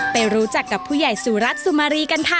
ไปรู้จักกับผู้ใหญ่สุรัตน์สุมารีกันค่ะ